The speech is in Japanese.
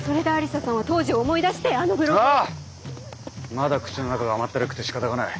まだ口の中が甘ったるくてしかたがない。